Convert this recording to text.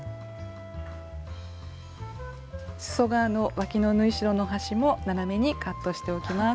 すそ側のわきの縫い代の端も斜めにカットしておきます。